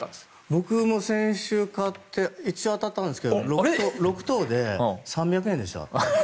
僕も先週買って一応、当たったんですけど６等で３００円でした。